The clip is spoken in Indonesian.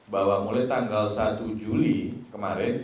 bahwa mulai tanggal satu juli kemarin